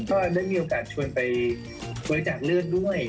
ก็ได้มีโอกาสชวนไปบริจาคเลือดด้วย